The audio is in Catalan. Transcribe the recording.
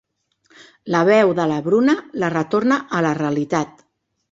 La veu de la Bruna la retorna a la realitat.